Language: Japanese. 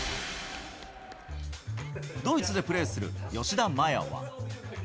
ドイツでプレーする吉田麻也は。